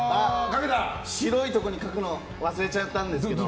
白いとこに描くの忘れちゃったんですけど。